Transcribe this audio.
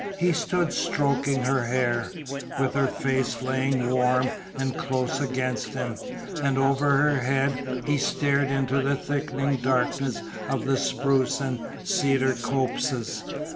He stood stroking her hair, with her face laying warm and close against him, and over her head he stared into the thickening darkness of the spruce and cedar copses.